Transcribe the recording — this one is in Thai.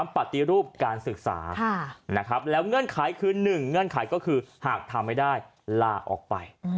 ๓ปฏิรูปฯการศึกษาฮะแล้วอย่างกี่เงื่อนไข๑ก็คือหากทำไม่ได้ล่าออกไป